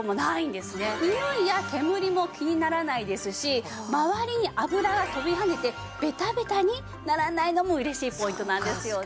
ニオイや煙も気にならないですし周りに油が飛び跳ねてベタベタにならないのも嬉しいポイントなんですよね。